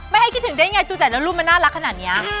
ให้คิดถึงได้ไงดูแต่ละรูปมันน่ารักขนาดนี้